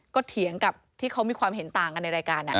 ก็เถียงกับที่เขามีความเห็นต่างกันในรายการ